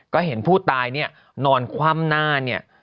ก็เห็นผู้ตายนอนคว่ำหน้า